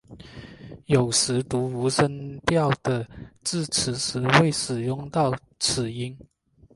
有时读无声调的字词时会使用到此音。